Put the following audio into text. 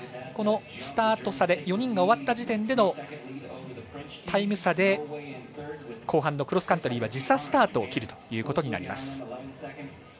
このスタート差で４人が終わった時点でのタイム差で後半のクロスカントリーは時差スタートを切るということになります。